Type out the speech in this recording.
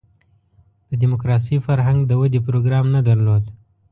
د دیموکراسۍ فرهنګ د ودې پروګرام نه درلود.